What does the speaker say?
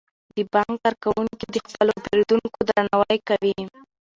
د بانک کارکوونکي د خپلو پیرودونکو درناوی کوي.